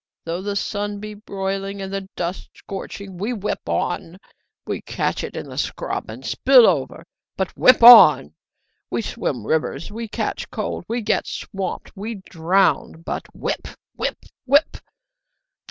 Though the sun be broiling and the dust scorching, we whip on! We catch in the scrub and spill over, but whip on! We swim rivers, we catch cold, we get swamped, we drown, but whip! whip! whip!